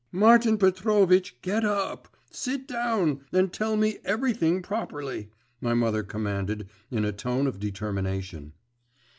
'Martin Petrovitch! get up! Sit down! and tell me everything properly,' my mother commanded in a tone of determination.